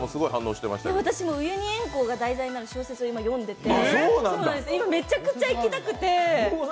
私もウユニ塩湖が題材になる小説、今読んでて、今、めちゃくちゃ行きたくて。